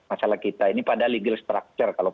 masalah kita ini pada legal structure kalau